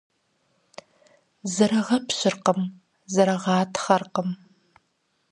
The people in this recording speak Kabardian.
Зэрыгъэпщыркъым, зэрыгъатхъэркъым.